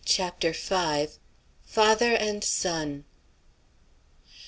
CHAPTER V. FATHER AND SON.